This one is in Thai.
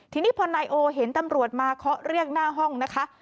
ทีนี้พอนายโอเห็นตำรวจมาเคาะเรียกหน้าห้องนะคะ